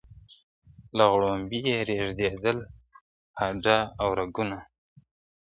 له غړومبي یې رېږدېدل هډ او رګونه ,